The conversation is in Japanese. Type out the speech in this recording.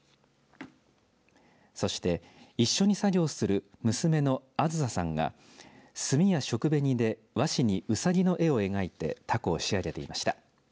そして一緒に作業する娘の梓さんが墨や食紅でわしにうさぎの絵を描いてたこを仕上げていました。